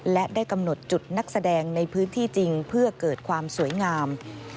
และได้กำหนดจุดนักแสดงในพื้นที่จริงเพื่อเกิดความสวยงาม